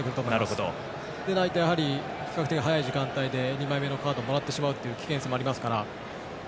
そうでないと比較的早い時間帯で２枚目のカードをもらってしまう危険性もありますから。